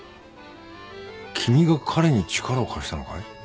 君が彼に力を貸したのかい？